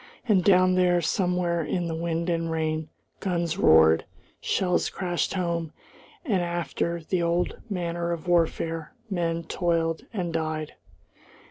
And down there, somewhere in the wind and rain, guns roared, shells crashed home, and, after the old manner of warfare, men toiled and died.